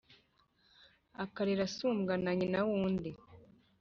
akarera asumbwa na nyina w' undi.